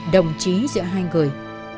đồng chí giữa hai người